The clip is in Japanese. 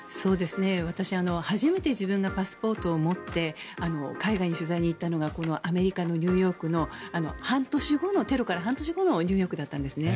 私、初めて自分がパスポートを持って海外に取材に行ったのがこのアメリカのニューヨークのテロから半年後のニューヨークだったんですね。